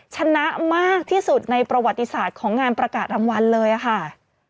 ชนะมากที่สุดในประวัติศาสตร์ของงานประกาศรางวัลเลยค่ะ